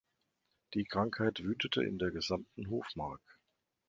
Die Krankheit wütete in der gesamten Hofmark.